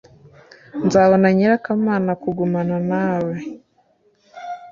Nzabona nyirakamana kugumana nawe